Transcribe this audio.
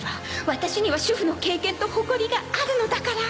ワタシには主婦の経験と誇りがあるのだから！